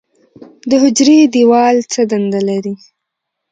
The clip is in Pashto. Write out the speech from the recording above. د حجرې دیوال څه دنده لري؟